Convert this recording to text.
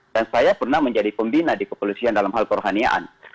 dan saya pernah menjadi pembina di kepolisian dalam hal kerohaniaan